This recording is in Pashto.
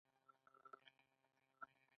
په همدې ترتیب هغوی خپل متصرف ژوند پیل کړ.